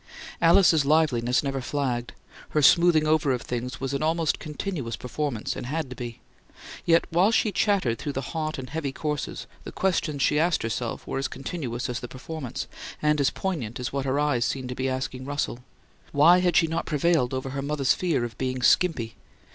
Alice's liveliness never flagged. Her smoothing over of things was an almost continuous performance, and had to be. Yet, while she chattered through the hot and heavy courses, the questions she asked herself were as continuous as the performance, and as poignant as what her eyes seemed to be asking Russell. Why had she not prevailed over her mother's fear of being "skimpy?"